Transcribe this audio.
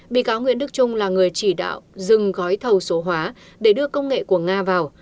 bị cáo nguyễn đức trung là người chỉ đạo dừng gói thầu số hóa để đưa công nghệ của nga vào